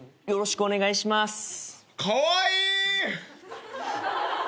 よろしくお願いします。